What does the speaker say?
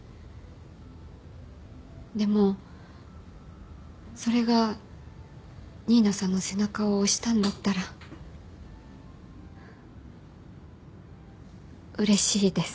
でもそれが新名さんの背中を押したんだったらうれしいです。